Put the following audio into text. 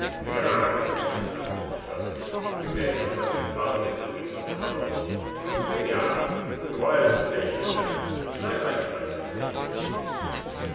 'There are no circumstances to trust to. We may as well trust in Providence if we trust at all. But here we are. A wild place, isn't it? But I like it on such days as these.